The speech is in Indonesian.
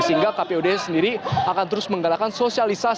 sehingga kpud sendiri akan terus menggalakkan sosialisasi